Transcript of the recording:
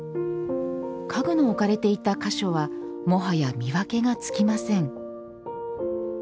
家具の置かれていた箇所はもはや見分けがつきません。